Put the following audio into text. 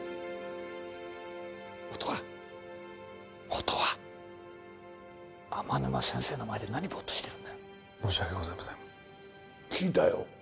音羽音羽天沼先生の前で何ぼっとしてるんだ申し訳ございません聞いたよ